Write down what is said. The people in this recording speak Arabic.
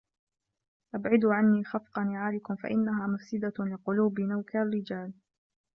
أَبْعِدُوا عَنِّي خَفْقَ نِعَالِكُمْ فَإِنَّهَا مُفْسِدَةٌ لِقُلُوبِ نَوْكَى الرِّجَالِ